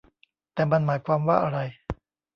แต่มันหมายความว่าอะไร